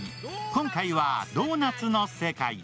今回はドーナツの世界。